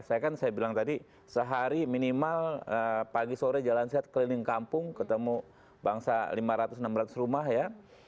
saya kan saya bilang tadi sehari minimal pagi sore jalan sehat keliling kampung ketemu bangsa lima ratus enam ratus rumah ya